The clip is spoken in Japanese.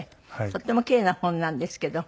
とっても奇麗な本なんですけど。